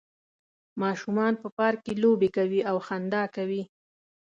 ماشومان په پارک کې لوبې کوي او خندا کوي